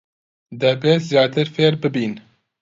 دەبێت زیاتر فێر ببن.